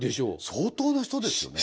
相当な人ですよね。